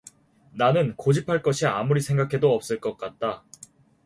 나는 고집할 것이 아무리 생각해도 없을 것 같다.